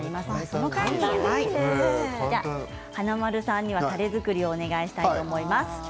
その間に華丸さんにはたれ作りをお願いしたいと思います。